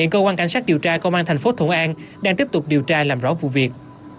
các điều tra công an thành phố thuận an đang tiếp tục điều tra làm rõ vụ việc